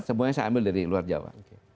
semuanya saya ambil dari luar jawa